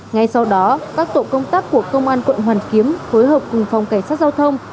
ngay sau đó các tổ công tác của công an quận hoàn kiếm phối hợp cùng phòng cảnh sát giao thông